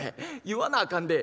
言わなあかんで。